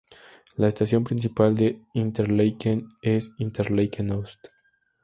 La estación principal de Interlaken es Interlaken Ost.